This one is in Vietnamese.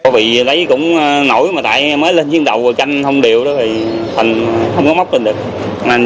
vị lấy cũng nổi mà tại mới lên chiến đấu và tranh thông điệu đó thì không có móc lên được nên